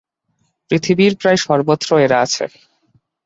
পৃথিবীর প্রায় সর্বত্র এরা আছে।